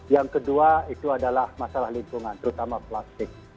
yang kedua itu adalah masalah lingkungan terutama plastik